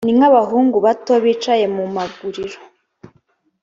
ni nk’abahungu bato bicaye mu maguriro